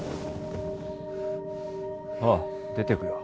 ああ出てくよ